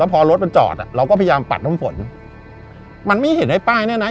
พอรถมันจอดอ่ะเราก็พยายามปัดน้ำฝนมันไม่เห็นไอ้ป้ายแน่นะ